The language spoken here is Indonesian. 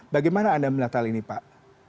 bagaimana anda melihat hal ini pak